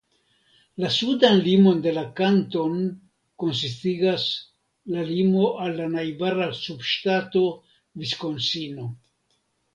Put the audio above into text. La sudan limon de la kanton konsistigas la limo al la najbara subŝtato Viskonsino.